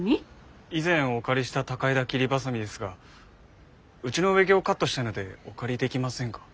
以前お借りした高枝切りばさみですがうちの植木をカットしたいのでお借りできませんか？